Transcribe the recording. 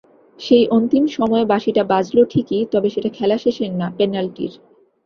সেই অন্তিম সময়ে বাঁশিটা বাজল ঠিকই, তবে সেটা খেলা শেষের না, পেনাল্টির।